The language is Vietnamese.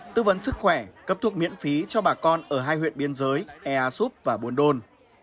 tư vấn sức khỏe cấp thuốc miễn phí cho bà con ở hai huyện biên giới ea súp và buôn đôn